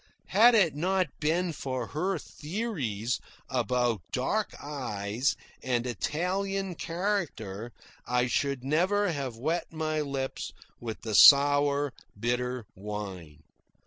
Had it not been for her theories about dark eyes and Italian character, I should never have wet my lips with the sour, bitter wine.